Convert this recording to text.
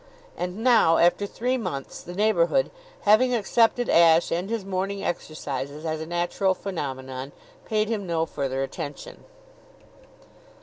And now, after three months, the neighborhood, having accepted Ashe and his morning exercises as a natural phenomenon, paid him no further attention.